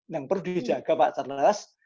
yang perlu dijaga pak charles